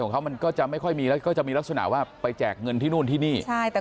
เขาก็จะไม่ค่อยมีแล้วก็จะมีลักษณะว่าไปแจกเงินที่นู่นที่นี่ใช่แต่